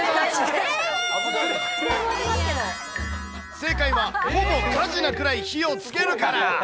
正解は、ほぼ火事なくらい火をつけるから。